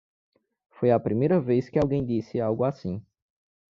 Foi a primeira vez que alguém disse algo assim.